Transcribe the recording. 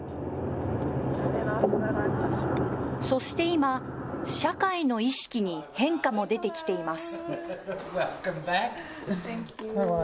そして今、社会の意識に変化も出てきています。